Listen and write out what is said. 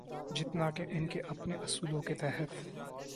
جتنا کہ ان کے اپنے اصولوں کے تحت۔